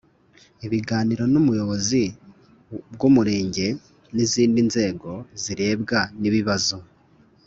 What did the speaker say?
Ibiganiro n ubuyobozi bw Umurenge n izindi nzego zirebwa n ibibazo